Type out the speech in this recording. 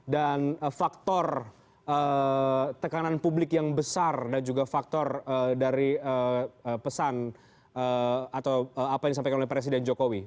dan faktor tekanan publik yang besar dan juga faktor dari pesan atau apa yang disampaikan oleh presiden jokowi